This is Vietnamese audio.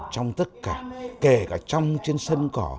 trong tất cả kể cả trong trên sân cỏ